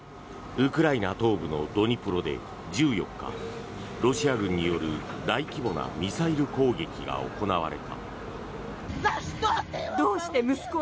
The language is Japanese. ウクライナ東部のドニプロで１４日ロシア軍による大規模なミサイル攻撃が行われた。